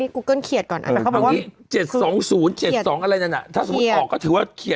อ๋อเผาเถอะเดี๋ยวก่อนนะมันอาจจะไม่ใช่เขียดมันคือตะปาดหรือเปล่า